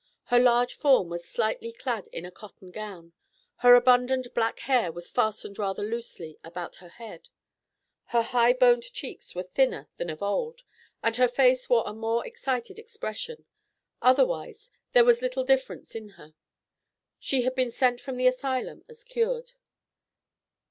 Her large form was slightly clad in a cotton gown; her abundant black hair was fastened rather loosely about her head. Her high boned cheeks were thinner than of old, and her face wore a more excited expression; otherwise, there was little difference in her. She had been sent from the asylum as cured.